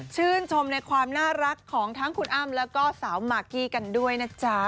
ชื่นชมในความน่ารักของทั้งคุณอ้ำแล้วก็สาวมากกี้กันด้วยนะจ๊ะ